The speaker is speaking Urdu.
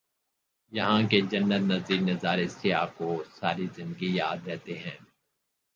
یہاں کے جنت نظیر نظارے سیاح کو ساری زندگی یاد رہتے ہیں